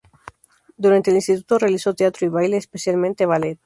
Durante el instituto realizó teatro y baile, especialmente ballet.